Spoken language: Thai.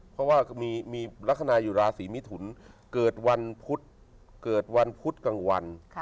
เพราะว่ามีลักษณะอยู่ราศีมิถุนเกิดวันพุทธกลางวัน